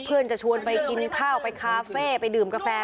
จะชวนไปกินข้าวไปคาเฟ่ไปดื่มกาแฟ